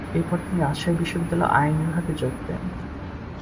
এরপর তিনি রাজশাহী বিশ্ববিদ্যালয়ে আইন বিভাগে যোগ দেন।